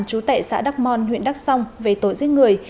chú tệ xã đắk mon huyện đắk song về tội giết người